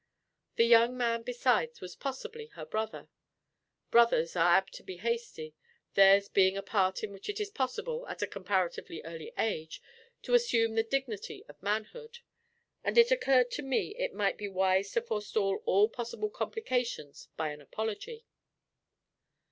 The young man besides was possibly her brother; brothers are apt to be hasty, theirs being a part in which it is possible, at a comparatively early age, to assume the dignity of manhood; and it occurred to me it might be wise to forestall all possible complications by an apology.